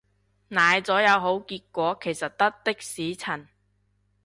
奶咗有好結果其實得的士陳